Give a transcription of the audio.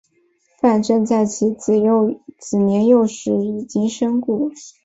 范正在其子年幼时已经身故。